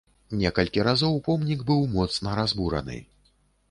Некалькі разоў помнік быў моцна разбураны.